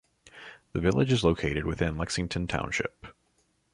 The village is located within Lexington Township.